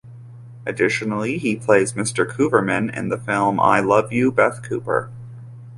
Additionally, he plays Mr. Cooverman in the film "I Love You, Beth Cooper".